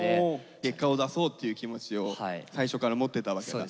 結果を出そうという気持ちを最初から持ってたわけだ。